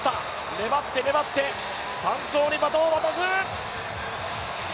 粘って粘って３走にバトンを渡す。